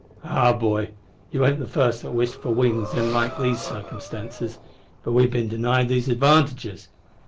"Ah, boy, you ain't the first that's wished for wings in the like circumstances. But we've bin denied these advantages.